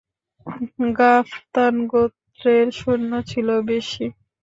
গাতফান গোত্রের সৈন্য ছিল বেশি।